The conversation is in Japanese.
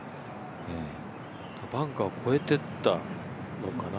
バンカー越えてったのかな。